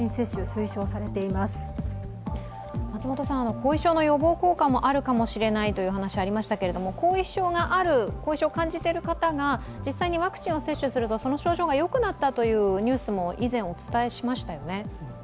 後遺症の予防効果もあるかもしれないという話がありましたけれども、後遺症がある、後遺症を感じている方も実際にワクチンを接種すると、その症状がよくなったというニュースも以前お伝えしましたよね？